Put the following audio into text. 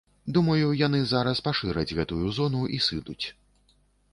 Думаю, яны зараз пашыраць гэтую зону і сыдуць.